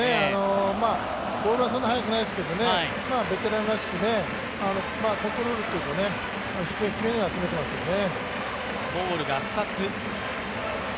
ボールはそんなに速くないですけどベテランらしくコントロールというか、低めに集めてますよね。